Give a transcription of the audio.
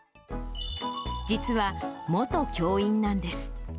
実は、元教員なんです。